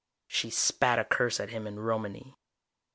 She spat a curse at him in Romany.